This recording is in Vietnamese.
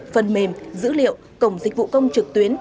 phần mềm dữ liệu cổng dịch vụ công trực tuyến